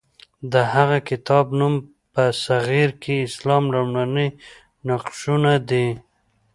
د هغه کتاب نوم برصغیر کې اسلام لومړني نقشونه دی.